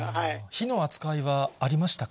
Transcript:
火の扱いはありましたか？